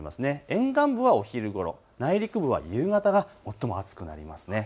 沿岸部はお昼ごろ、内陸部は夕方が最も暑くなります。